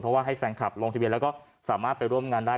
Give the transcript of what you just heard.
เพราะว่าให้แฟนคลับลงทะเบียนแล้วก็สามารถไปร่วมงานได้